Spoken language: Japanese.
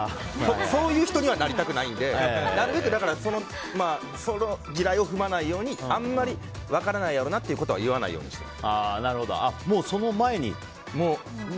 そういう人にはなりたくないのでなるべくその地雷を踏まないようにあんまり分からないやろなってことはもうその前にと。